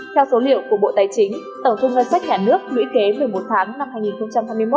theo số liệu của bộ tài chính tổng thu ngân sách nhà nước lũy kế một mươi một tháng năm hai nghìn hai mươi một